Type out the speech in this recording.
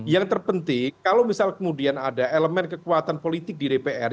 yang terpenting kalau misal kemudian ada elemen kekuatan politik di dpr